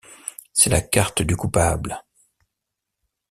C'est la carte du coupable.